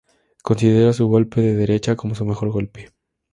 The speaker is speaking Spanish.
Considera su golpe de derecha como su mejor golpe.